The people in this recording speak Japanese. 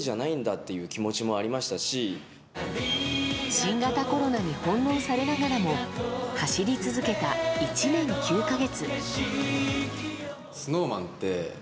新型コロナに翻弄されながらも走り続けた１年９か月。